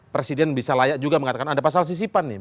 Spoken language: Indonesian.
presiden bisa layak juga mengatakan ada pasal sisipan nih